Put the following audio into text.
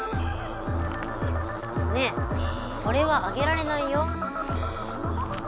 ねえこれはあげられないよ。